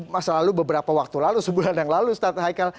masa lalu beberapa waktu lalu sebulan yang lalu ustadz haikal